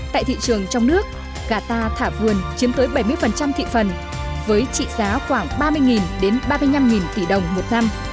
tại thị trường trong nước gà ta thả vườn chiếm tới bảy mươi thị phần với trị giá khoảng ba mươi đến ba mươi năm tỷ đồng một năm